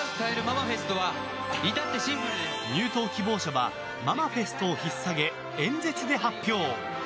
入党希望者はママフェストをひっさげ演説で発表。